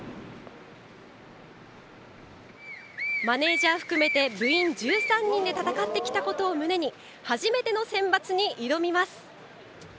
マネージャー含めて部員１３人で戦ってきたことを胸に初めてのセンバツに挑みます。